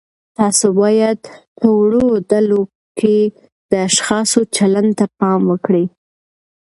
تاسو باید په وړو ډلو کې د اشخاصو چلند ته پام وکړئ.